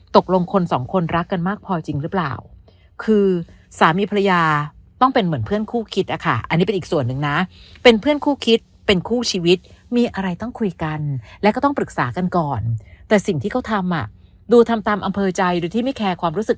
แต่สิ่งที่เขาทำดูทำตามอำเภอใจหรือที่ไม่แคร์ความรู้สึก